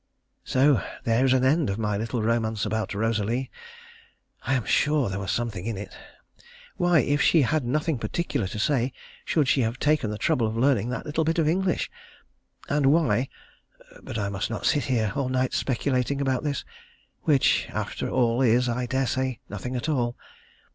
So there is an end of my little romance about Rosalie. I am sure there was something in it. Why, if she had nothing particular to say, should she have taken the trouble of learning that little bit of English? and why but I must not sit here all night speculating about this, which after all is, I daresay, nothing at all.